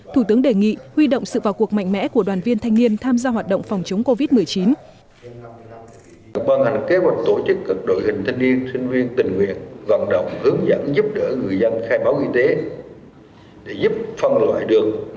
thủ tướng đề nghị huy động sự vào cuộc mạnh mẽ của đoàn viên thanh niên tham gia hoạt động phòng chống covid một mươi chín